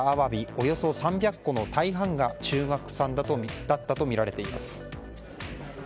およそ３００個の大半が中国産だったとみられています。